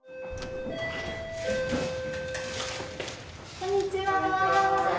こんにちは！